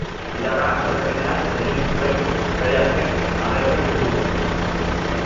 Iragan asteazkenean egin zuen bere azken agerpen publikoa.